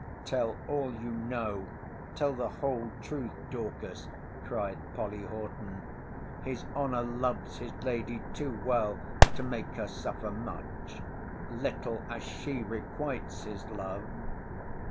— Tell all you know. Tell the whole truth, Dorcas, cried Polly Horton.—His honour loves his lady too well to make her suffer much: little as she requites his love!